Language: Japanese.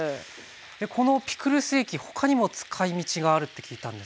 このピクルス液他にも使いみちがあるって聞いたんですけど。